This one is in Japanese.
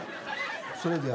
それでは。